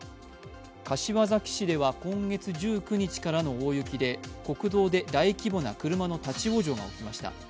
柏崎市では今月１９日からの大雪で国道で大規模な車の立往生が起きました。